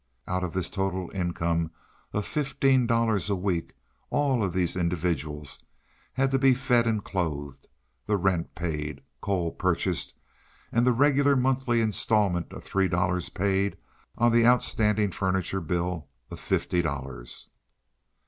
Out of this total income of fifteen dollars a week all of these individuals had to be fed and clothed, the rent paid, coal purchased, and the regular monthly instalment of three dollars paid on the outstanding furniture bill of fifty dollars.